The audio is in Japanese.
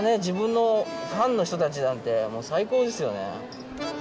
自分のファンの人たちなんてもう最高ですよね